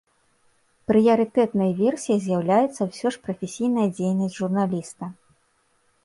Прыярытэтнай версіяй з'яўляецца ўсё ж прафесійная дзейнасць журналіста.